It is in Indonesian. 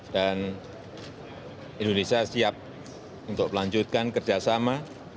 dan indonesia siap untuk melanjutkan kerjasama